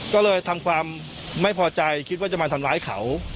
ก็เลยทำความไม่พอใจคิดว่าจะมาทำร้ายเขา